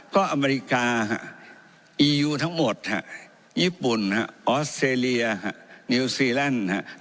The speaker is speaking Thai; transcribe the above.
ก็อเมริกาฮะอียูทั้งหมดฮะญี่ปุ่นฮะออสเซเรียฮะนิวซีแลนด์ฮะ